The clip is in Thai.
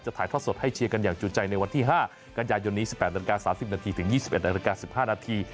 จะถ่ายทอดสดให้เชียร์กันอย่างจูดใจในวันที่๕กันยายนนี้๑๘๓๐นถึง๒๑๑๕น